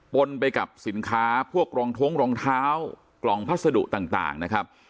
นไปกับสินค้าพวกรองท้องรองเท้ากล่องพัสดุต่างนะครับ